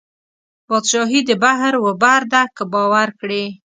بادشاهي د بحر وبر ده که باور کړې